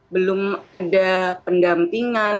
belum ada pendampingan